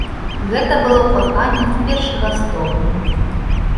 Гэта было каханне з першага стогну.